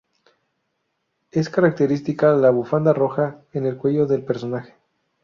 Es característica la bufanda roja en el cuello del personaje.